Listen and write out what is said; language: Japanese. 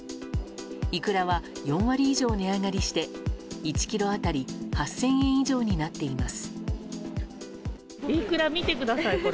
イクラは４割以上値上がりして１ｋｇ当たり、８０００円以上になっています。